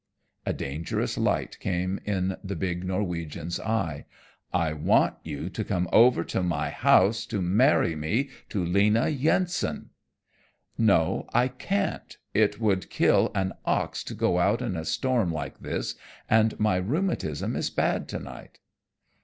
A dangerous light came in the big Norwegian's eye. "I want you to come over to my house to marry me to Lena Yensen." "No, I can't, it would kill an ox to go out in a storm like this, and my rheumatism is bad tonight."